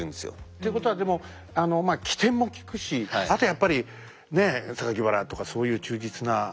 ていうことはでも機転も利くしあとやっぱりねえ原とかそういう忠実な。